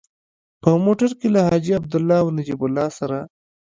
په موټر کې له حاجي عبدالله او نجیب الله سره.